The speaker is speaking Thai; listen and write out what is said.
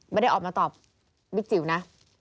ไม่ได้ออกมาตอบบิ๊กจิ๋วนะ